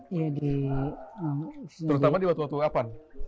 terutama di waktu waktu kapan